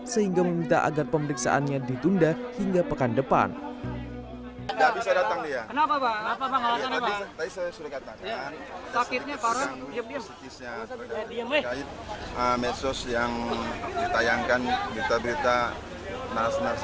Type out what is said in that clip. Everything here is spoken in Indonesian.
sehingga meminta agar pemeriksaannya ditunda hingga pekan depan